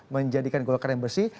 menjadikan golkar yang bersih